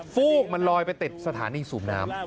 ฟูกมันลอยไปติดสถานีสูบน้ำ